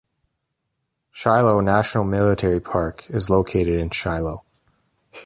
Shiloh National Military Park is located in Shiloh.